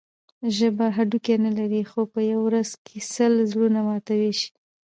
ژبه هډوکی نه لري؛ خو په یوه ورځ کښي سل زړونه ماتولای سي.